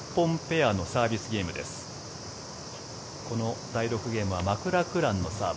この第６ゲームはマクラクランのサーブ。